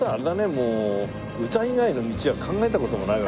もう歌以外の道は考えた事もないわけですね。